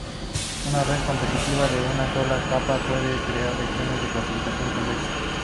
Una red competitiva de una sola capa puede crear regiones de clasificación convexas.